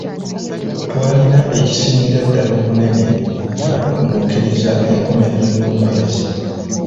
Twalina ekisingira ddala obunene nga tukunukkiriza enkomerero y'omwezi.